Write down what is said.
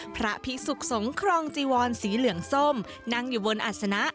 พระพิสุขสงครองจีวรสีเหลืองส้มนั่งอยู่บนอัศนะ